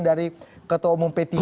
dari ketua umum p tiga